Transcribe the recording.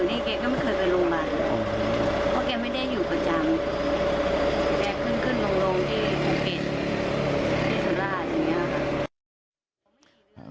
นี่แกก็ไม่เคยไปโรงบานะครับคิดไม่ได้อยู่ประจังที่